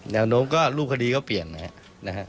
แนวโน้มก็รูปคดีก็เปลี่ยนนะครับ